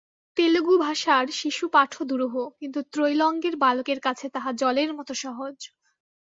তেলেগু ভাষার শিশুপাঠও দুরূহ, কিন্তু ত্রৈলঙ্গের বালকের কাছে তাহা জলের মতো সহজ।